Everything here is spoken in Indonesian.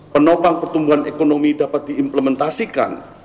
penopang pertumbuhan ekonomi dapat diimplementasikan